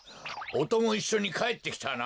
おともいっしょにかえってきたな。